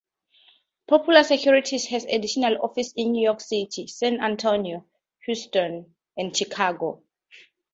Popular Securities has additional offices in New York City, San Antonio, Houston, and Chicago.